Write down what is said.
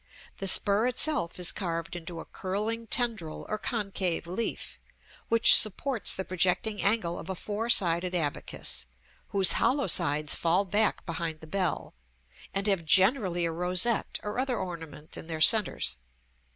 The spur itself is carved into a curling tendril or concave leaf, which supports the projecting angle of a four sided abacus, whose hollow sides fall back behind the bell, and have generally a rosette or other ornament in their centres.